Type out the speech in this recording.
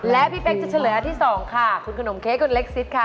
และพี่เป๊กจะเฉลยอันที่๒ค่ะคุณขนมเค้กคุณเล็กซิสค่ะ